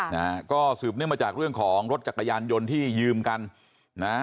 นะฮะก็สืบเนื่องมาจากเรื่องของรถจักรยานยนต์ที่ยืมกันนะฮะ